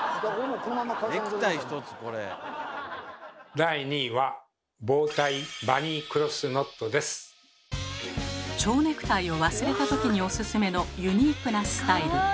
第２位は蝶ネクタイを忘れた時におすすめのユニークなスタイル。